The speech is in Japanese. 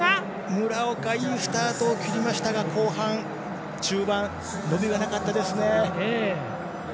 村岡、いいスタート切りましたが、後半伸びがなかったですね。